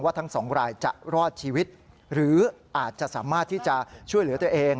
ทั้งสองรายจะรอดชีวิตหรืออาจจะสามารถที่จะช่วยเหลือตัวเอง